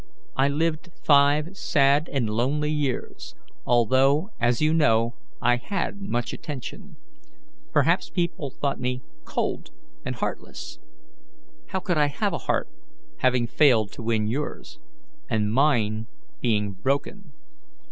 I lived five sad and lonely years, although, as you know, I had much attention. People thought me cold and heartless. How could I have a heart, having failed to win yours, and mine being broken?